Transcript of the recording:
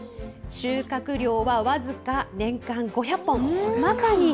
収穫量は僅か年間５００本。